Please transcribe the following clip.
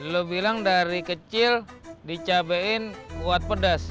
lo bilang dari kecil dicabein kuat pedas